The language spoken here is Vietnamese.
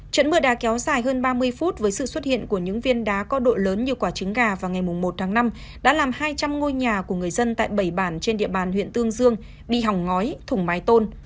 trận mưa đá kéo dài hơn ba mươi phút với sự xuất hiện của những viên đá có đội lớn như quả trứng gà vào ngày một tháng năm đã làm hai trăm linh ngôi nhà của người dân tại bảy bản trên địa bàn huyện tương dương bị hỏng ngói thùng mái tôn